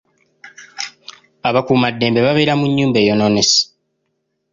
Abakuumaddembe babeera mu nnyumba eyonoonese.